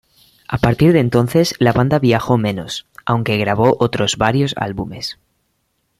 A partir de entonces la banda viajó menos, aunque grabó otros varios álbumes.